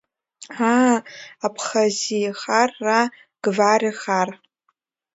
Аа, аԥхази хар, ра гвари хар?